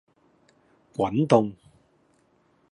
滾動